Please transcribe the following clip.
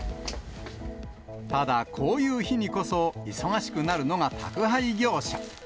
ただ、こういう日にこそ忙しくなるのが宅配業者。